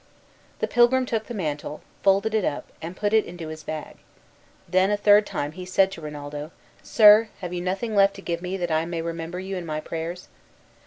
The pilgrim took the mantle, folded it up, and put it into his bag. Then a third time he said to Rinaldo, "Sir, have you nothing left to give me that I may remember you in my prayers?"